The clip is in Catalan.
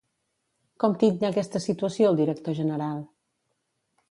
Com titlla aquesta situació el director general?